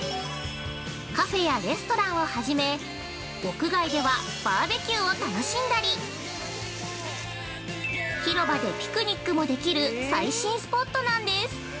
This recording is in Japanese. カフェやレストランを初め屋外では、バーベキューを楽しんだり、広場でピクニックもできる最新スポットなんです。